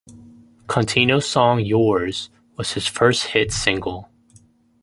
Contino's song "Yours" was his first hit single.